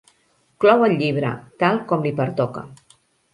Clou el llibre, tal com li pertoca.